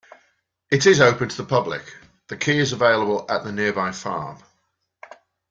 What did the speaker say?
It is open to the public; the key is available at the nearby farm.